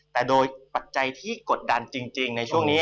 แต่โดยปัจจัยที่กดดันจริงในช่วงนี้